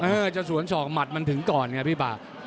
จะสวนศอกหมัดมันถึงก่อนไงพี่ปาก